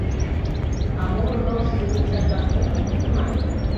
А моло ныл шӱдӧ йочажлан мом пукшыман?